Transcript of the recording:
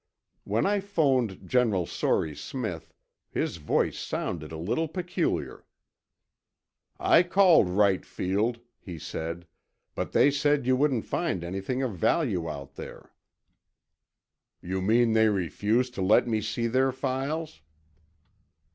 When I phoned General Sory Smith, his voice sounded a little peculiar. "I called Wright Field," he said. "But they said you wouldn't find anything of value out there." "You mean they refused to let me see their files?"